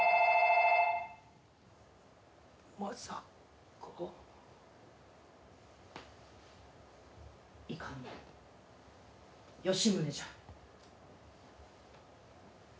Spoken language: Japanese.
「まさか」「いかにも吉宗じゃ」